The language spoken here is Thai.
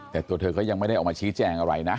แต่ตัวเธอก็ยังไม่ได้ออกมาชี้แจงอะไรนะ